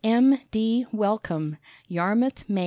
M. D. WELLCOME. _Yarmouth, Me.